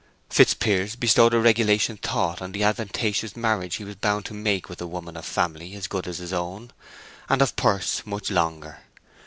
Fitzpiers bestowed a regulation thought on the advantageous marriage he was bound to make with a woman of family as good as his own, and of purse much longer.